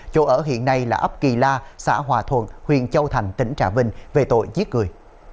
chỗ ở hiện nay là ấp kỳ la xã hòa thuận huyện châu thành tỉnh trà vinh về tội giết người